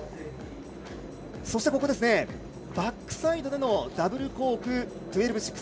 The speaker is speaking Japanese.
そして、バックサイドでのダブルコーク１２６０。